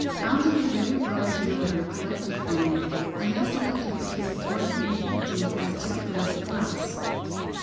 Out of a very large number col lected for me, I have selected between forty and fifty as typical of the class.